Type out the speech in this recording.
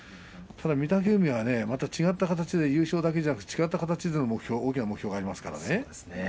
ただ御嶽海はね、また違った形で優勝だけでなく違った形での大きな目標がありますからね。